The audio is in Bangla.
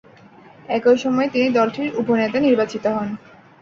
একই সময়ে তিনি দলটির উপনেতা নির্বাচিত হন।